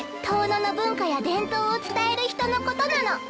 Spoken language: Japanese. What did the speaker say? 遠野の文化や伝統を伝える人のことなの。